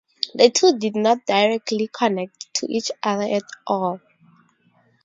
The two did not directly connect to each other at all.